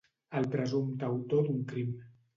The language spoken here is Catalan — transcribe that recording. El presumpte autor d'un crim.